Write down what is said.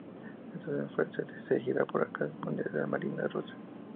Esta solución, solo fue seguida por algunas clases de la marina rusa.